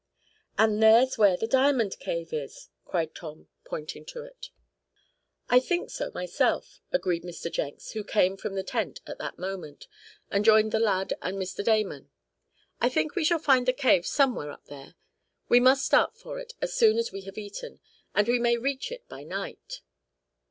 "And there's where the diamond cave is!" cried Tom, pointing to it. "I think so myself," agreed Mr. Jenks, who came from the tent at that moment, and joined the lad and Mr. Damon. "I think we shall find the cave somewhere up there. We must start for it, as soon as we have eaten, and we may reach it by night."